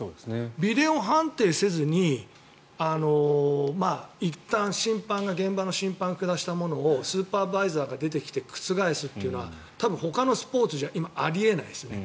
ビデオ判定せずに、いったん現場の審判が下したものをスーパーバイザーが出てきて覆すのは多分、ほかのスポーツじゃあり得ないですね。